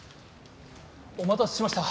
お待たせしました。